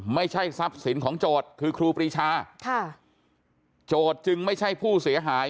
ไม่ใช่ทรัพย์สินของโจทย์คือครูปรีชาค่ะโจทย์จึงไม่ใช่ผู้เสียหาย